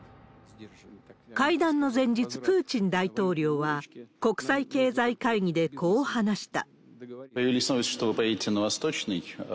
会談の前日、プーチン大統領は、国際経済会議でこう話した。